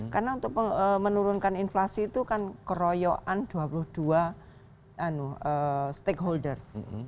karena untuk menurunkan inflasi itu kan keroyokan dua puluh dua stakeholders